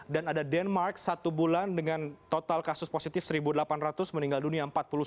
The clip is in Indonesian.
dan ada denmark satu bulan dengan total kasus positif satu delapan ratus meninggal dunia empat puluh satu